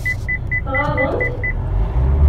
Tɣaḍem-t?